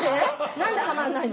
何ではまんないの？